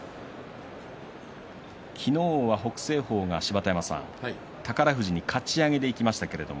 昨日は北青鵬が、芝田山さん宝富士にかち上げでいきました。